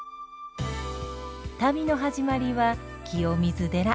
旅の始まりは清水寺。